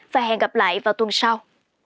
và hẹn gặp lại vào tuần sau